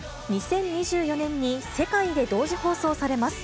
２０２４年に世界で同時放送されます。